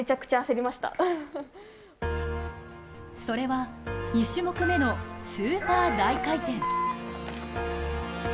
それは、２種目めのスーパー大回転。